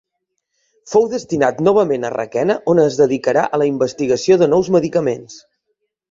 Fou destinat novament a Requena, on es dedicarà a la investigació de nous medicaments.